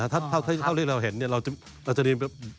ถ้าเท่าที่เราเห็นเราจะเรียนแบบ